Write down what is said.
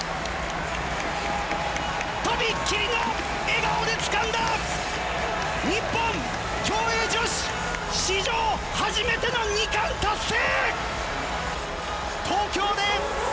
とびきりの笑顔でつかんだ日本、競泳女子史上初めての２冠達成！